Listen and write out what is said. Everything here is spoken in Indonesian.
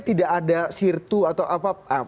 tidak ada sirtu atau apa